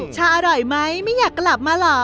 ชาอร่อยไหมไม่อยากกลับมาเหรอ